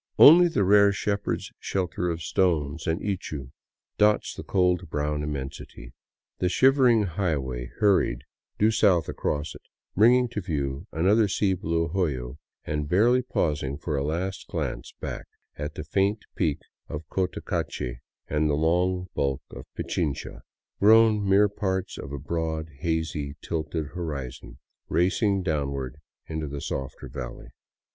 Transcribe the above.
Only a rare shepherd's shelter of stones and ichu dots the cold brown immensity. The shivering highway hurried due south across it, bringing to view another sea blue hoyo and, barely pausing for a last glance back at the faint peak of Cotacache and the long bulk of Pichincha, grown mere parts of a broad, hazy, tilted horizon, raced downward into the softer valley.